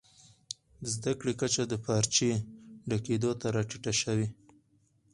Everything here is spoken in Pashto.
د زده کړي کچه د پارچې ډکېدو ته راټیټه سوې.